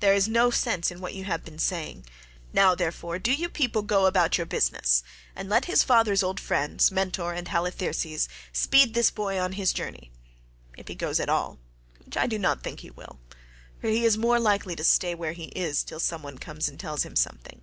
There is no sense in what you have been saying. Now, therefore, do you people go about your business, and let his father's old friends, Mentor and Halitherses, speed this boy on his journey, if he goes at all—which I do not think he will, for he is more likely to stay where he is till some one comes and tells him something."